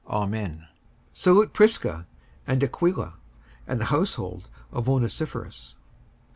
Amen. 55:004:019 Salute Prisca and Aquila, and the household of Onesiphorus.